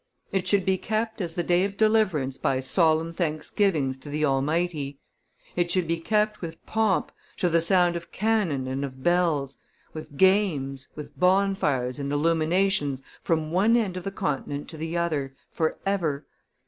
It should be kept as the day of deliverance by solemn thanksgivings to the Almighty. It should be kept with pomp, to the sound of cannon and of bells, with games, with bonfires and illuminations from one end of the continent to the other, for ever.